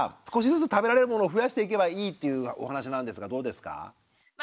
少しずつ食べられるものを増やしていけばいいっていうお話なんですがどうですか？